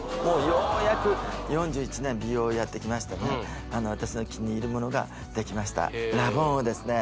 ようやく４１年美容をやってきましたけど私の気に入るものができましたラボンをですね